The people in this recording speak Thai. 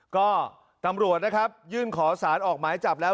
ก็ตำรวจนะครับยื่นขอสารออกหมายจับแล้ว